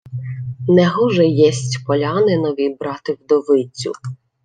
— Негоже єсть полянинові брати вдовицю.